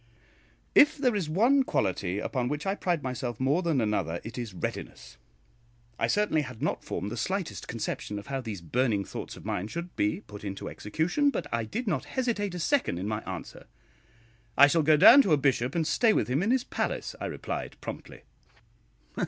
If there is one quality upon which I pride myself more than another it is readiness. I certainly had not formed the slightest conception of how these burning thoughts of mine should be put into execution; but I did not hesitate a second in my answer. "I shall go down to a bishop and stay with him in his palace," I replied, promptly.